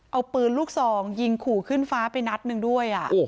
เอาปืนลูกซองยิงขู่ขึ้นฟ้าไปนัดหนึ่งด้วย